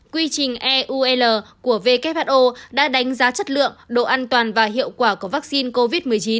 quy trình eu l của who đã đánh giá chất lượng độ an toàn và hiệu quả của vaccine covid một mươi chín